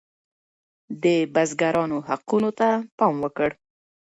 ده د بزګرانو حقونو ته پام وکړ.